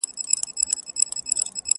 یو نفس به مي هېر نه سي زه هغه بې وفا نه یم!.